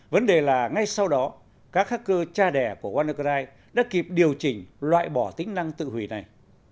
vấn đề là ngay sau đó các khắc cơ cha đẻ của wannacry đã kịp điều chỉnh loại bỏ tính năng tự hủy này